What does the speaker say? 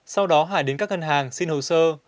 sau đó hải đến các ngân hàng xin hồ sơ